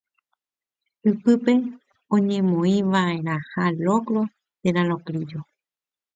ipype oñemoĩva'erãha locro térã locrillo